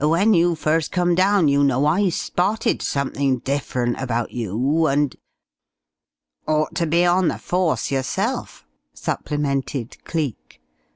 When you first come down, you know, I spotted something different about you, and " "Ought to be on the Force yourself!" supplemented Cleek.